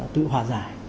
tự hòa giải